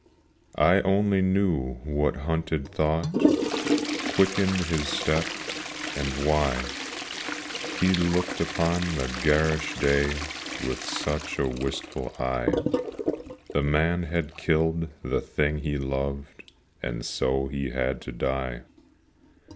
I only knew what hunted thought Quickened his step, and why He looked upon the garish day With such a wistful eye; The man had killed the thing he loved, And so he had to die.